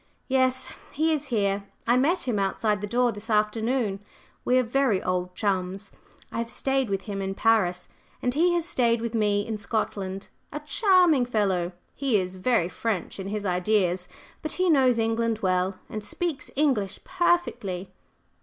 "Yes, he is here. I met him outside the door this afternoon. We are very old chums. I have stayed with him in Paris, and he has stayed with me in Scotland. A charming fellow! He is very French in his ideas; but he knows England well, and speaks English perfectly."